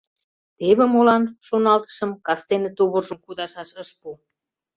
«Теве молан, — шоналтышым, — кастене тувыржым кудашаш ыш пу».